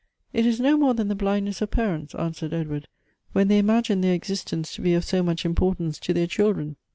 " "It is no more than the blindness of parents," answered Edward, " when they imagine their existence to be of so much importance to their children.